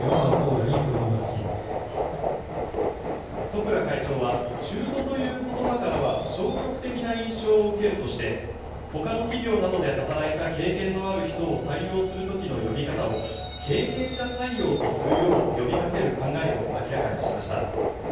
十倉会長は中途という言葉からは消極的な印象を受けるとしてほかの企業などで働いた経験のある人を採用する時の呼び方を経験者採用とするよう呼びかける考えを明らかにしました。